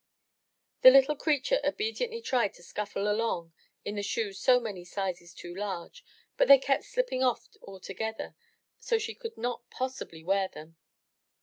The little creature obediently tried to scuffle along in the shoes so many sizes too large, but they kept slipping off altogether so she could not possibly wear them.